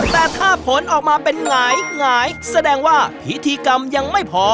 แต่ถ้าผลออกมาเป็นหงายแสดงว่าพิธีกรรมยังไม่พอ